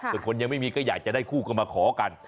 ส่วนคนยังไม่มีก็อยากจะได้คู่ก็มาขอกัน